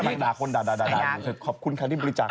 นางด่าคนด่าขอบคุณค่ะที่บริจาค